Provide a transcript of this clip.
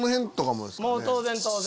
もう当然当然。